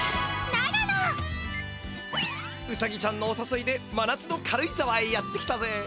うさぎちゃんのおさそいで真夏の軽井沢へやって来たぜ！